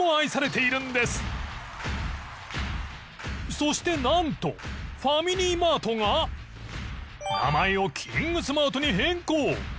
そしてなんとファミリーマートが名前を「キングスマート」に変更。